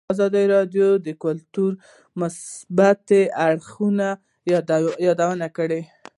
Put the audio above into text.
ازادي راډیو د کلتور د مثبتو اړخونو یادونه کړې.